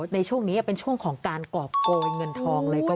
ในช่วงนี้เป็นช่วงของการกรอบโกยเงินทองเลย